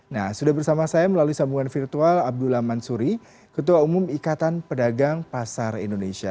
nah sudah bersama saya melalui sambungan virtual abdullah mansuri ketua umum ikatan pedagang pasar indonesia